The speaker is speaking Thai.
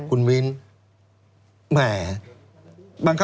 คุณมีน